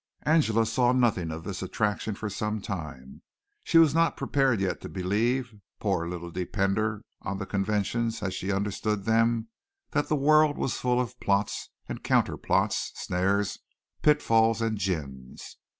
Angela saw nothing of this attraction for some time. She was not prepared yet to believe, poor little depender on the conventions as she understood them, that the world was full of plots and counter plots, snares, pitfalls and gins.